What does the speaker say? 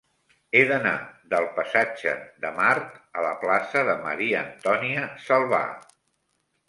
He d'anar del passatge de Mart a la plaça de Maria-Antònia Salvà.